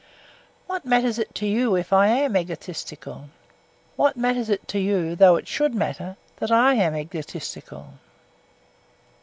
What matters it to you if I am egotistical? What matters it to you though it should matter that I am egotistical?